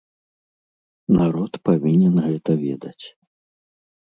Народ павінен гэта ведаць.